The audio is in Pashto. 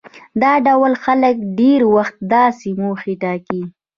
دا ډول خلک ډېری وخت داسې موخې ټاکي.